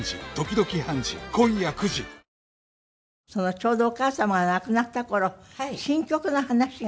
ちょうどお母様が亡くなった頃新曲の話が。